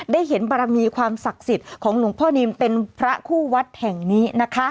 ได้เห็นบารมีความศักดิ์สิทธิ์ของหลวงพ่อนิมเป็นพระคู่วัดแห่งนี้นะคะ